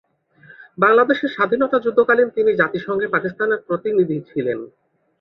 বাংলাদেশের স্বাধীনতা যুদ্ধকালীন তিনি জাতিসংঘে পাকিস্তানের প্রতিনিধি ছিলেন।